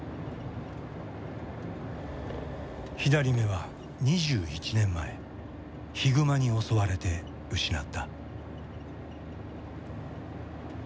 左目は２１年前ヒグマに襲われて失った。